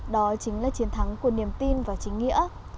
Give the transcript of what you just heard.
đó chính là chiến thắng của niềm tin và chính nghĩa